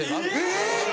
えっ！